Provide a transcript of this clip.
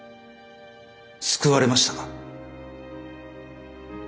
救われましたか？